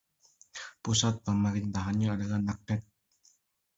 Pusat pemerintahannya adalah Naknek.